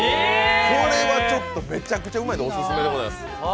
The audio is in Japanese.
これはちょっと、めちゃくちゃうまいんでお勧めでございます。